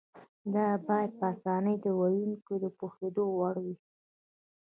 دا باید په اسانۍ د ویونکي د پوهېدو وړ وي.